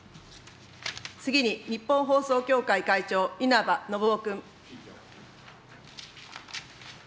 次に日本放送協会会長、稲葉延雄君。